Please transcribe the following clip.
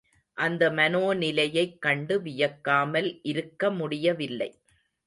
அந்த மனோநிலையைக் கண்டு வியக்காமல் இருக்க முடியவில்லை.